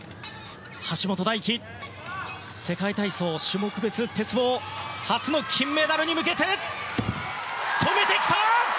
橋本大輝、世界体操種目別の鉄棒初の金メダルに向けて止めてきた！